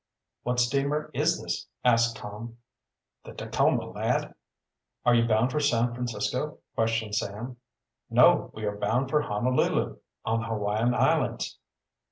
"What steamer is this?" asked Tom. "The Tacoma, lad." "Are you bound for San Francisco?" questioned Sam. "No, we are bound for Honolulu, on the Hawaiian Islands."